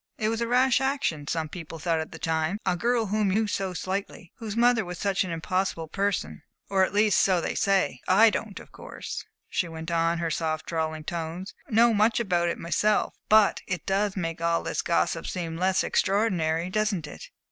"It was a rash action, some people thought at the time. A girl whom you knew so slightly, whose mother was such an impossible person or at least, so they say. I don't of course," she went on, in her soft, drawling tones, "know much about it myself, but it does make all this gossip seem less extraordinary doesn't it?"